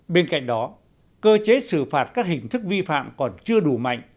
bên cạnh đó cơ chế xử phạt các hình thức vi phạm còn chưa đủ mạnh